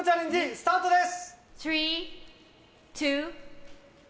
スタートです！